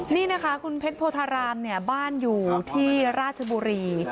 นี่นะคะคุณเพชรโพธารามเนี่ยบ้านอยู่ที่ราชบุรี